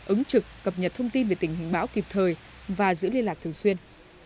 ứng trực cập nhật thông tin về tình hình bão kịp thời và giữ liên lạc thường xuyên